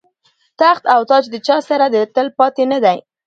تخت او تاج د چا سره تل پاتې نه دی.